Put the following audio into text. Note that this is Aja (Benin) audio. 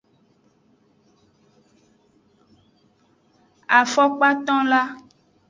Afokpatonla.